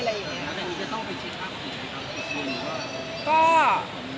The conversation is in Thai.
แล้วอันนี้จะต้องไปเช็คอัพอีกไหม